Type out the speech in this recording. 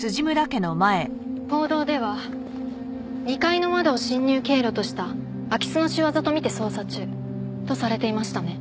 報道では２階の窓を侵入経路とした空き巣の仕業と見て捜査中とされていましたね。